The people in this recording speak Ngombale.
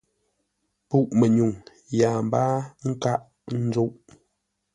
Pûʼ-mənyuŋ yâa mbáa nkâʼ ńzúʼ.